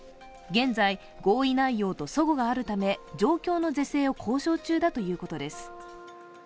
現在、合意内容とそごがあるため状況の是正を交渉中だということです。